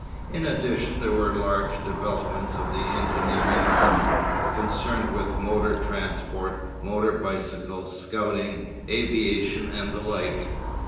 In addition there were large developments of the engineering arm, concerned with motor transport, motor bicycle scouting, aviation, and the like.